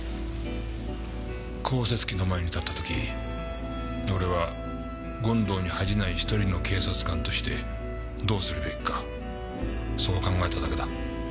降雪機の前に立った時俺は権藤に恥じない１人の警察官としてどうするべきかそう考えただけだ。